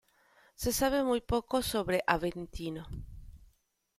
Se sabe muy poco sobre Aventino.